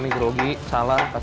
ini grogi salah ini perang